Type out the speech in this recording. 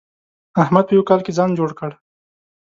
احمد په يوه کال کې ځان جوړ کړ.